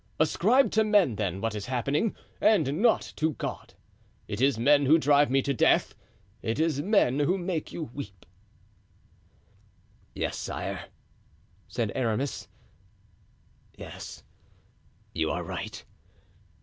Ascribe to men, then, what is happening, and not to God. It is men who drive me to death; it is men who make you weep." "Yes, sire," said Aramis, "yes, you are right.